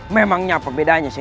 memangnya perbedaannya sinujan